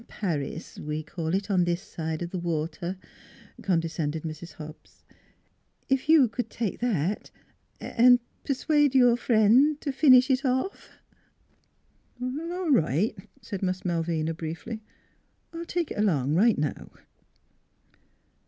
"Huh?" " Paris we call it on this side the water," con descended Mrs. Hobbs. " If you c'd take that an' an' persuade your friend to finish it off." " All right," said Miss Malvina briefly. " I'll take it along right now."